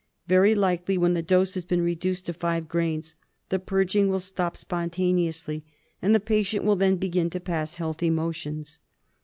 Very likely when the dose has been reduced to five grains the purging will stop spontaneously, and the patient will then begin to pass healthy motions.